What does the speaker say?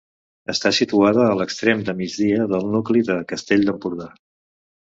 Està situada a l'extrem de migdia del nucli de Castell d'Empordà.